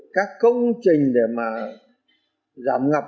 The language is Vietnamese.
các công trình để mà giảm ngập